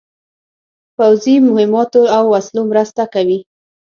پوځي مهماتو او وسلو مرسته کوي.